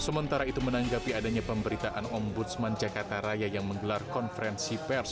sementara itu menanggapi adanya pemberitaan ombudsman jakarta raya yang menggelar konferensi pers